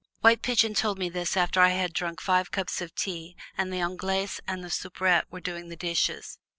White Pigeon told me this after I had drunk five cups of tea and the Anglaise and the Soubrette were doing the dishes.